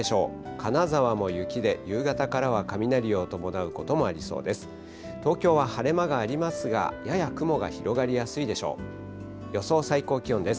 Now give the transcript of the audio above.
金沢も雪で、夕方からは雷を伴うこともありそうです。